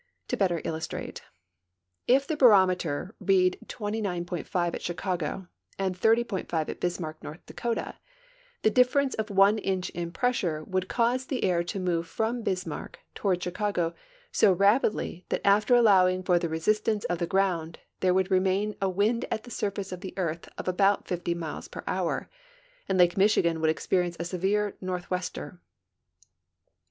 To better illustrate: If the barometer read 29.5 at Chicago and 30.5 at Bismarck, North Dakota, tlie difference of one inch in pressure would cause the air to move from Bismarck toward Chicago so rapidly that after allowing for the resistance of the ground there would remain a wind at the surface of the earth of 70 STORMS AND WEATHER FORECASTS about 50 miles per liour, and Lake Michigan would experience a severe "northwester."